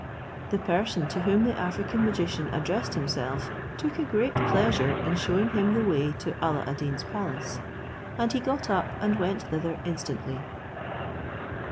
The person to whom the African magician addressed himself took a pleasure in shewing him the way to Alla ad Deen's palace, and he got up and went thither instantly.